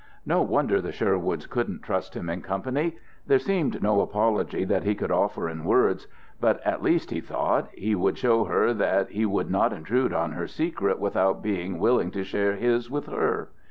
No wonder the Sherwoods couldn't trust him in company! There seemed no apology that he could offer in words, but at least, he thought, he would show her that he would not intruded on her secret without being willing to share his with her.